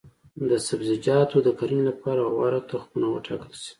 د سبزیجاتو د کرنې لپاره غوره تخمونه وټاکل شي.